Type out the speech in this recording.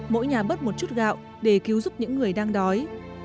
mỗi nhà bớt một chút gạo để cứu giúp những người đang đói